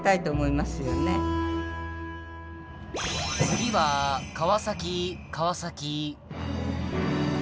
「次は川崎川崎」。